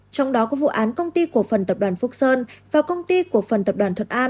trong đó có vụ án công ty cổ phần tập đoàn phúc sơn và công ty của phần tập đoàn thuận an